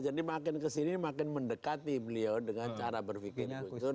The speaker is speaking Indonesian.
jadi makin kesini makin mendekati beliau dengan cara berpikir gus dur